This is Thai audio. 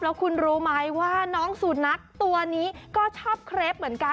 แล้วคุณรู้ไหมว่าน้องสูนักตัวนี้ก็ชอบเครปเหมือนกัน